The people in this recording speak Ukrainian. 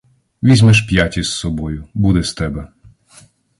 Візьмеш п'ять із собою, буде з тебе.